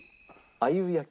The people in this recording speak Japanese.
鮎焼き。